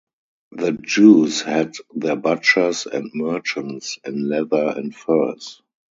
The Jews had their butchers and merchants in leather and furs.